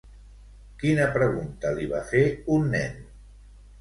Quina pregunta li va fer un nen?